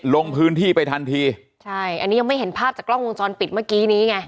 ลงพื้นที่ไปทันทีใช่อันนี้ยังไม่เห็นภาพจากกล้องวงจรปิดเมื่อกี้นี้ไง